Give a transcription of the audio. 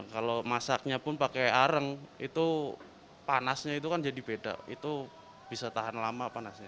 kalau masaknya pun pakai arang itu panasnya itu kan jadi beda itu bisa tahan lama panasnya